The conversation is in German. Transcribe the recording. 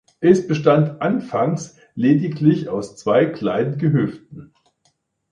Es bestand anfangs lediglich aus zwei kleinen Gehöften.